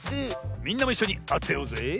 みんなもいっしょにあてようぜえ。